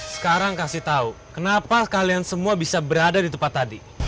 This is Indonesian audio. sekarang kasih tahu kenapa kalian semua bisa berada di tempat tadi